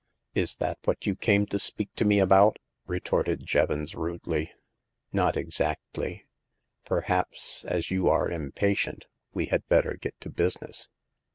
Is that what you came to speak to me about ?" retorted Jevons, rudely. " Not exactly. Perhaps, as you are impatient, we had better get to business."